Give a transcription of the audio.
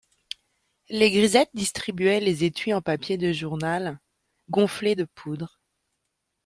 Les grisettes distribuaient les étuis en papier de journal, gonflés de poudre.